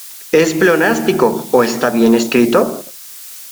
¿Es pleonástico o está bien escrito?